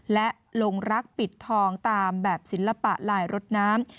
และลงรักปิดทองตามแบบศิลปะลายรถน้ำ